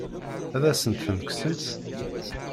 Ad asen-tent-kksent?